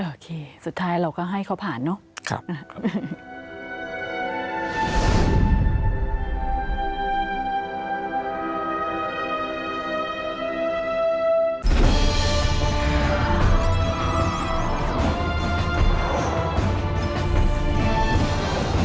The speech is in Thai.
โอเคสุดท้ายเราก็ให้เขาผ่านเนอะ